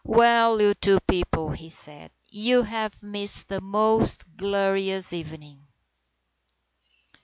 "Well, you two people," he said. "You have missed a most glorious evening."